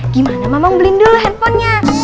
gimana mama beliin dulu handphonenya